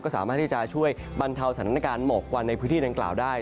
สามารถที่จะช่วยบรรเทาสถานการณ์หมอกควันในพื้นที่ดังกล่าวได้